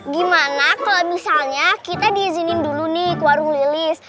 gimana kalau misalnya kita diizinin dulu nih ke warung lilis